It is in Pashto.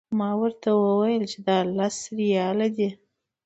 ما ورته وویل چې دا لس ریاله دي.